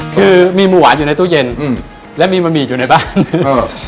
คือมีมันหวานอยู่ในตู้เย็นและมีมะมีอยู่ในบ้าน